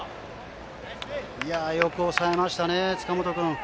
よく抑えましたね、塚本君。